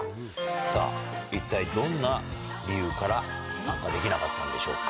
さぁ一体どんな理由から参加できなかったんでしょうか？